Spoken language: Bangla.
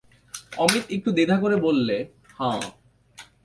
অমিত একটু দ্বিধা করে বললে, হাঁ।